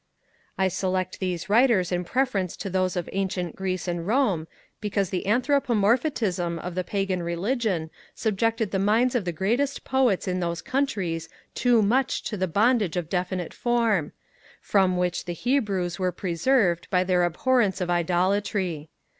I select these writers in preference to those of ancient Greece and Rome, because the anthropomorphitism of the Pagan religion subjected the minds of the greatest poets in those countries too much to the bondage of definite form; from which the Hebrews were preserved by their abhorrence of idolatry.